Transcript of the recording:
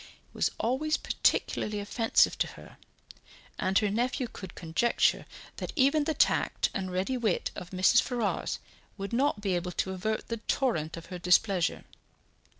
It was always particularly offensive to her, and her nephew could conjecture that even the tact and ready wit of Mrs. Ferrars would not be able to avert the torrent of her displeasure.